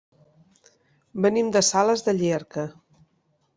Venim de Sales de Llierca.